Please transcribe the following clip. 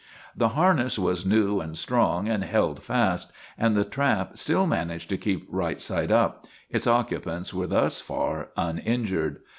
The harness was new and strong and held fast, and the trap still managed to keep right side up ; its occupants were thus far uninjured.